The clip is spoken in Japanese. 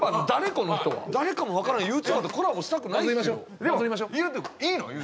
この人は誰かも分からんＹｏｕＴｕｂｅｒとコラボしたくないバズりましょユウト君いいの？